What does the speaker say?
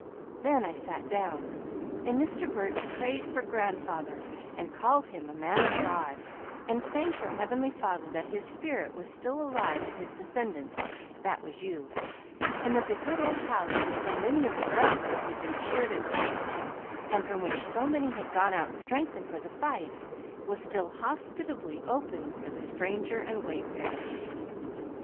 Then I sat down; and Mr. Burch prayed for grandfather, and called him a man of God, and thanked our Heavenly Father that his spirit was still alive in his descendants (that was you), and that the good old house where so many of the brethren had been cheered and helped, and from which so many had gone out strengthened for the fight, was still hospitably open for the stranger and wayfarer."